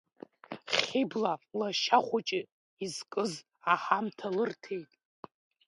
Хьыбла лашьа хәыҷы изкыз аҳамҭа лырҭеит.